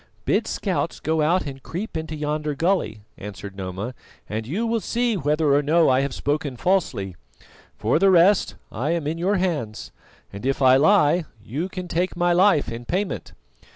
"Bid scouts go out and creep into yonder gully," answered Noma, "and you will see whether or no I have spoken falsely. For the rest, I am in your hands, and if I lie you can take my life in payment."